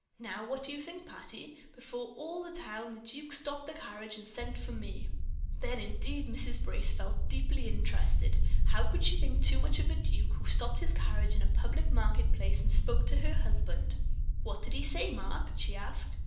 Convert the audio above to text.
Now, what do you think, Patty? before all the town the duke stopped the carriage and sent for me." Then indeed Mrs. Brace felt deeply interested. How could she think too much of a duke who stopped his carriage in a public market place and spoke to her husband? "What did he say, Mark?" she asked.